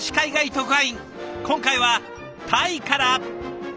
今回はタイから。